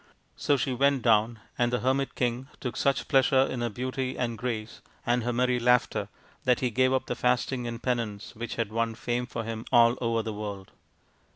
So she went down, and the hermit king took such pleasure in her beauty and grace and her merry laughter that he gave up the fasting and penance which had won fame for him all over the world.